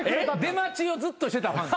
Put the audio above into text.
出待ちをずっとしてたファン。